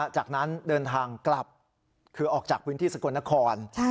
จากนั้นเดินทางกลับคือออกจากพื้นที่สกลนคร